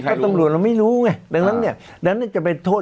ก็ตำรวจเราไม่รู้ไงดังนั้นเนี่ยดังนั้นจะไปโทษ